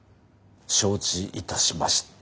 承知いたしました。